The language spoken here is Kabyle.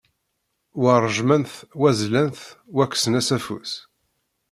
Wa ṛejmen-t, wa zlan-t, wa kksen-as afus.